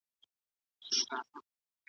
په مخلوق کي اوسېدله خو تنها وه .